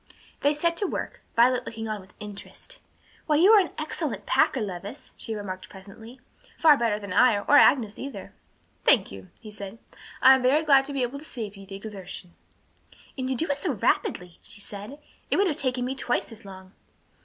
They set to work, Violet looking on with interest. "Why, you are an excellent packer, Levis," she remarked presently, "far better than I or Agnes either." "Thank you," he said, "I am very glad to be able to save you the exertion." "And you do it so rapidly," she said. "It would have taken me twice as long."